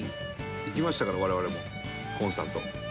「行きましたから我々もコンサート」